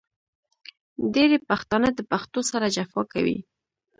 ډېری پښتانه د پښتو سره جفا کوي .